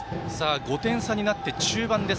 ５点差になって中盤です